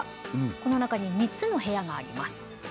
この中に３つの部屋があります。